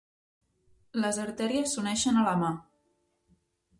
Les artèries s'uneixen a la mà.